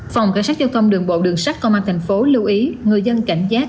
phòng cảnh sát giao thông đường bộ đường sát công an tp lưu ý người dân cảnh giác